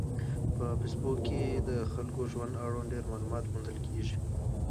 په فېسبوک کې د خلکو د ژوند اړوند ډېر معلومات موندل کېږي.